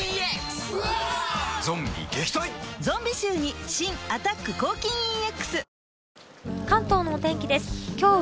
ゾンビ臭に新「アタック抗菌ＥＸ」